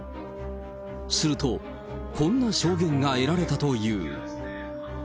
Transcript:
すると、こんな証言が得られたという。